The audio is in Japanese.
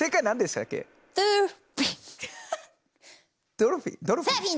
ドルフィン？